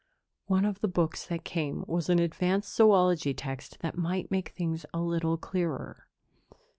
"One of the books that came was an advanced zoology text that might make things a little clearer."